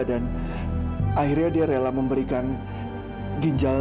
dan akhirnya dia rela memberikan ginjal